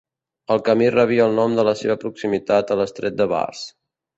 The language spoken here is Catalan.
El camí rebia el nom de la seva proximitat a l'estret de Bass.